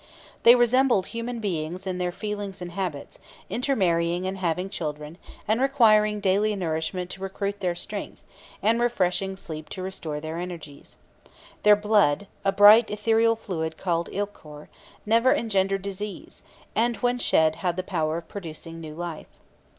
They resembled human beings in their feelings and habits, intermarrying and having children, and requiring daily nourishment to recruit their strength, and refreshing sleep to restore their energies. Their blood, a bright ethereal fluid called Ichor, never engendered disease, and, when shed, had the power of producing new life.